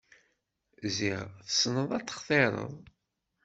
Ziɣ tessneḍ ad textireḍ.